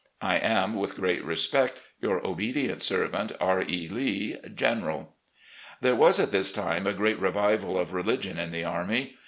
I am, with great respect, " Your obedient servant, "R. E. Lee, General." There was at this time a great revival of religion in the army.